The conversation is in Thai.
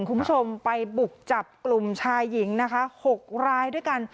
คุณผู้ชมไปบุกจับกลุ่มชายหญิงนะคะ๖รายด้วยกัน